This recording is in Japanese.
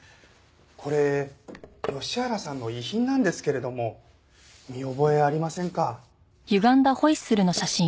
これ吉原さんの遺品なんですけれども見覚えありませんか？